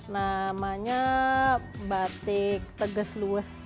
namanya batik tegas luas